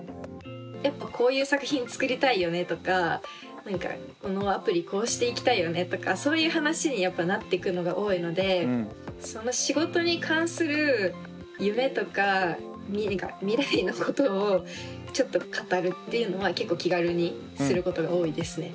やっぱこういう作品作りたいよねとかこのアプリこうしていきたいよねとかそういう話にやっぱなってくのが多いのでっていうのは結構気軽にすることが多いですね。